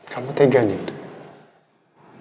kamu tegan ya